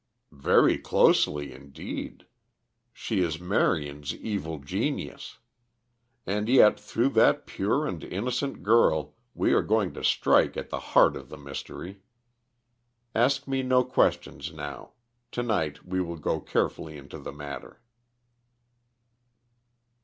"Very closely, indeed. She is Marion's evil genius. And yet through that pure and innocent girl we are going to strike at the heart of the mystery. Ask me no questions, now; to night we will go carefully into the matter."